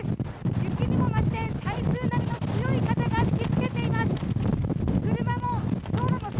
雪にもまして、台風並みの強い風が吹きつけています。